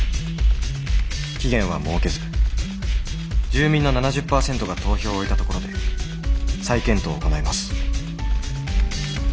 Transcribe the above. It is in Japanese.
期限は設けず住民の７０％が投票を終えたところで再検討を行います。